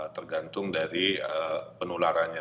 tergantung dari penularannya